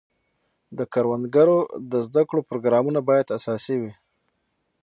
د کروندګرو د زده کړو پروګرامونه باید اساسي وي.